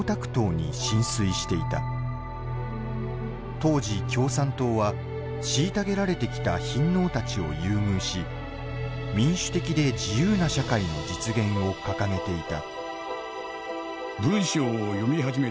当時共産党は虐げられてきた貧農たちを優遇し民主的で自由な社会の実現を掲げていた。